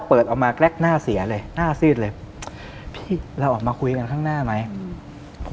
เปิดออกมาแกรกหน้าเสียเลยหน้าซีดเลยพี่เราออกมาคุยกันข้างหน้าไหมอืม